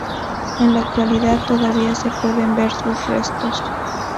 En la actualidad todavía se pueden ver sus restos.